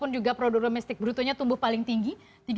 jawa adalah produk domestik brutonya tumbuh paling tinggi